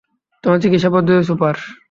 তোমার চিকিৎসা পদ্ধতি সুপ্পার!